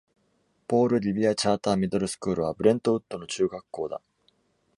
Paul Revere Charter Middle School は、ブレントウッドの中学校だ。